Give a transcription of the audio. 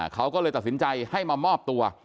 เขาก็เลยตัดสินใจให้มามอบตัว